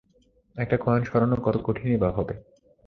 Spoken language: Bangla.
একটা কয়েন সরানো কত কঠিনই বা হবে?